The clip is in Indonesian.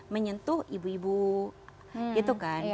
menyentuh ibu ibu gitu kan